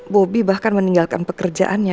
bobby bahkan meninggalkan pekerjaannya